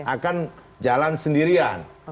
akan jalan sendirian